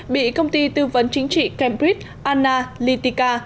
bị công ty tư vấn chính trị cambridge analytica